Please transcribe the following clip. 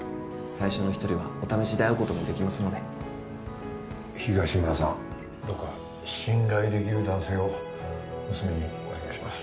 最初の１人はお試しで会うこともできますので東村さんどうか信頼できる男性を娘にお願いします